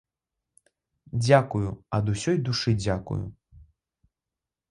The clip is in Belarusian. Дзякую, ад усёй душы дзякую!